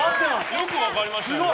よく分かりましたね。